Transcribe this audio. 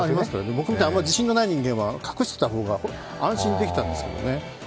僕みたいにあんまり自信がない人間は隠して歩くと安心できたんですけどね。